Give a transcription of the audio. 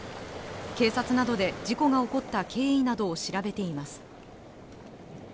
警察などで事故が起こった経緯などを調べています。